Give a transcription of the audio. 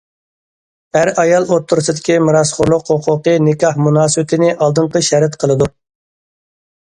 ئەر- ئايال ئوتتۇرىسىدىكى مىراسخورلۇق ھوقۇقى نىكاھ مۇناسىۋىتىنى ئالدىنقى شەرت قىلىدۇ.